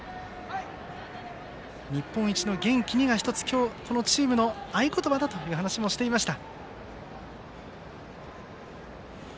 「日本一の元気」が１つ、このチームの合言葉だという話もしていました。